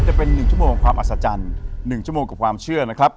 จะเป็นหนึ่งชมโมงของความอัศจรรย์หนึ่งชมโมงกับความเชื่อนะครับ